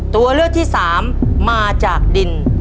ตัวเลือกที่สามมาจากดิน